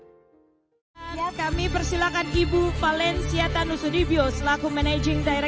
jadi kalau misalnya kita ngerasa kita sudah bisa berpengaruh